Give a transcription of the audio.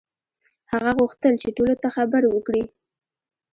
هغه غوښتل چې ټولو ته خبر وکړي.